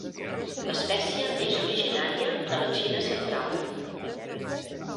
L'espècie és originària de la Xina central.